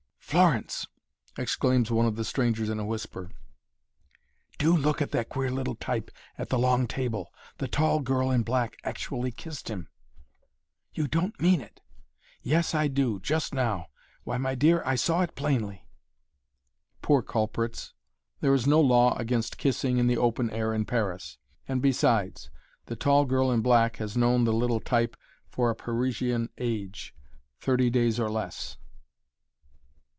"Florence!" exclaims one of the strangers in a whisper, "do look at that queer little 'type' at the long table the tall girl in black actually kissed him!" "You don't mean it!" "Yes, I do just now. Why, my dear, I saw it plainly!" Poor culprits! There is no law against kissing in the open air in Paris, and besides, the tall girl in black has known the little "type" for a Parisienne age thirty days or less.